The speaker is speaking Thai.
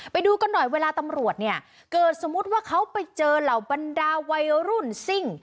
ไปดูกันหน่อยเวลาตำรวจเนี่ยเกิดสมมุติว่าเขาไปเจอเหล่าบรรดาวัยรุ่นซิ่ง